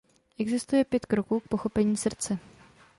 Existuje pět kroků k pochopení srdce.